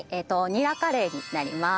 ニラカレーになります。